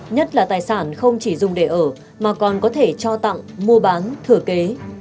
nhất là tài sản không chỉ dùng để ở mà còn có thể cho tặng mua bán thửa kế